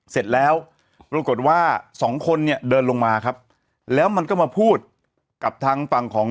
เสร็จแล้วปรากฏว่าสองคนเนี่ยเดินลงมาครับแล้วมันก็มาพูดกับทางฝั่งของ